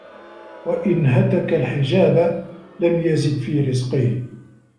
وَإِنْ هَتَكَ الْحِجَابَ لَمْ يَزِدْ فِي رِزْقِهِ